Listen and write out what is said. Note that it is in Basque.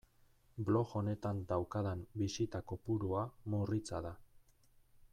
Blog honetan daukadan bisita kopurua murritza da.